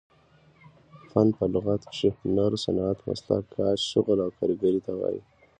فن په لغت کښي هنر، صنعت، مسلک، کار، شغل او کاریګرۍ ته وايي.